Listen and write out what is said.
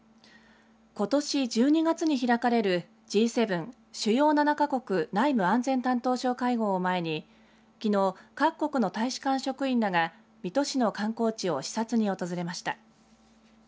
ことし１２月に開かれるＧ７＝主要７か国内務・安全担当相会合前にきのう各国の大使館職員らが水戸市の観光地を視察に訪れました。